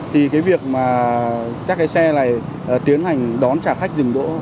thì cái việc mà các cái xe này tiến hành đón trả khách